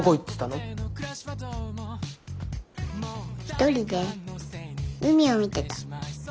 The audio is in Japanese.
一人で海を見てた。